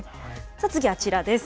次はあちらです。